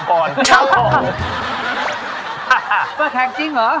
เพราะแขกจริงเหรอ